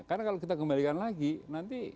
karena kalau kita kembalikan lagi nanti